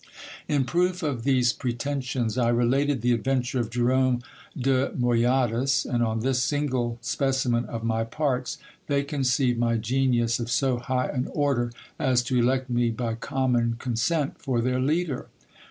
In proof of these pretensions, I related the adventure of Jerome de Moyadas ; and on this single specimen of my parts, they conceived my genius of so high an order, as to elect me by common con sent for their leader.